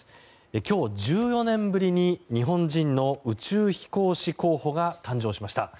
今日、１４年ぶりに日本人の宇宙飛行士候補が誕生しました。